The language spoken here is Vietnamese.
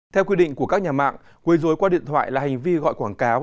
theo quyết định của các nhà mạng quấy rối qua điện thoại là hành vi gọi quảng cáo